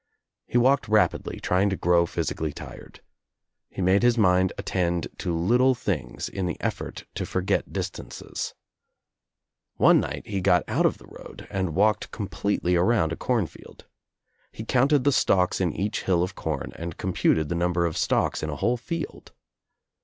He walked rapidly, trying to grow physically tired. He made his mind attend to little things in the effort to forget distances. One night he got out of the road and walked completely around a cornfield. He counted the stalks in each hill of com and computed the num ber of stalks in a whole field.